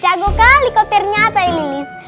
jago kali kok ternyata ini